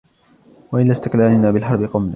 و إلى استقلالنا بالحرب قمنا